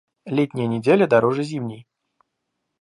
Летняя неделя дороже зимней.